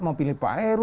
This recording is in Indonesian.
mau pilih pak heru